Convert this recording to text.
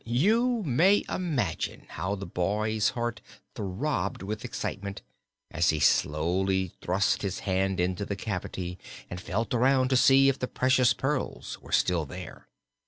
You may imagine how the boy's heart throbbed with excitement as he slowly thrust his hand into the cavity and felt around to see if the precious pearls were still there.